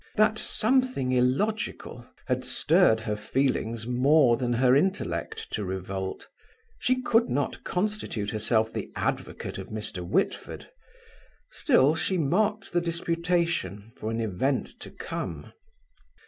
That "something illogical" had stirred her feelings more than her intellect to revolt. She could not constitute herself the advocate of Mr. Whitford. Still she marked the disputation for an event to come.